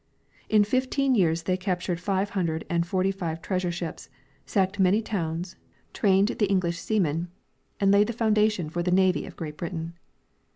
In fifteen years they captured five hundred and forty five treasure ships, sacked many towns, trained the English seamen, and laid the foundation for the navy of Great Britain.